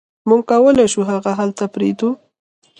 موږ کولی شو هغه هلته پریږدو